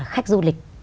khách du lịch